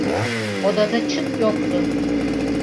Odada çıt yoktu.